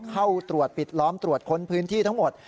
เข้าตรวจปิดล้อมตรวจค้นพื้นที่ทั้งหมด